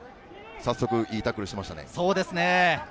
早速いいタックルをしましたね。